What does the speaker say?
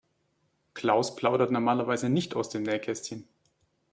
Klaus plaudert normalerweise nicht aus dem Nähkästchen.